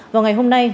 vào ngày hôm nay